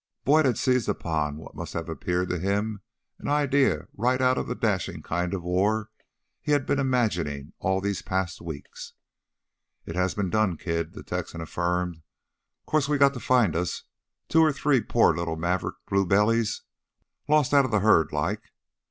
Boyd had seized upon what must have seemed to him an idea right out of the dashing kind of war he had been imagining all these past weeks. "It has been done, kid," the Texan affirmed. "'Course we got to find us two or three poor little maverick blue bellies lost outta the herd like.